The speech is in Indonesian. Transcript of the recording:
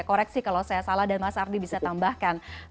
koreksi kalau saya salah dan mas ardi bisa tambahkan